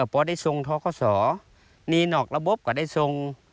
ป่อได้ทรงท้อข้าวสอนี่นอกระบบก็ได้ทรง